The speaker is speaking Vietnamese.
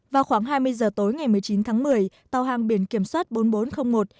vào khoảng hai mươi giờ tối ngày một mươi chín tháng một mươi tàu hàng biển kiểm soát bốn nghìn bốn trăm linh một